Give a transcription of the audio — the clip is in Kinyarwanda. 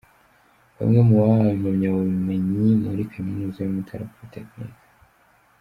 Bamwe mu bahawe impamyabumenyi muri kaminuza y’Umutara Polytechnic.